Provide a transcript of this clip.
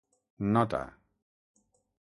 Nota: